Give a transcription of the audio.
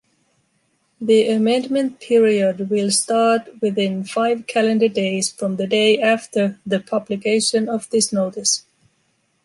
The amendment period will start within five calendar days from the day after the publication of this notice.